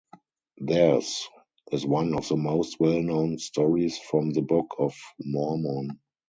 Theirs is one of the most well-known stories from the Book of Mormon.